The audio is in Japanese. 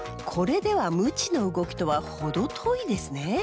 これではムチの動きとは程遠いですね。